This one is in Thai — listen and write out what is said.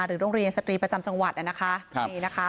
หรือโรงเรียนสตรีประจำจังหวัดนะคะ